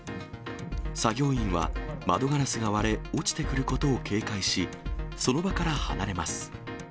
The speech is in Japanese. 作業員は、窓ガラスが割れ、落ちてくることを警戒し、その場から離れます。